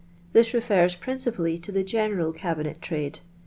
This refers prin cipally to the general cabinet trade.